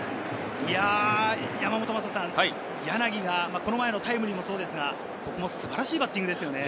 柳がこの前のタイムリーもそうですが、ここも素晴らしいバッティングですよね。